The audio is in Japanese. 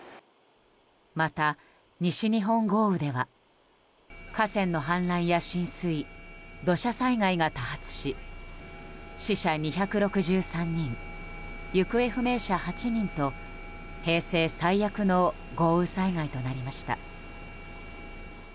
また、西日本豪雨では河川の氾濫や浸水土砂災害が多発し死者２６３人行方不明者８人と平成最悪の豪雨災害となりました。